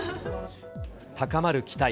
高まる期待。